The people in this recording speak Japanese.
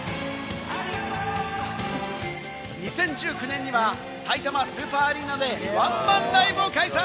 ２０１９年には、さいたまスーパーアリーナでワンマンライブを開催。